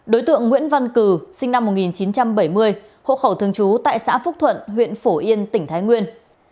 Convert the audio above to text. đối tượng nguyễn văn cử sinh năm một nghìn chín trăm bảy mươi hộ khẩu thường trú tại xã phúc thuận huyện phổ yên tỉnh thái nguyên